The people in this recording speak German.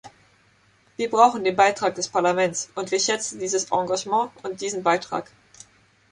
Wir brauchen den Beitrag des Parlaments, und wir schätzen dieses Engagement und diesen Beitrag.